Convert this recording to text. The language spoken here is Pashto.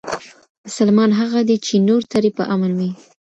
مسلمان هغه دی چې نور ترې په امن وي.